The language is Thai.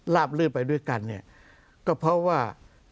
ลาบลืนไปด้วยกันก็เพราะว่า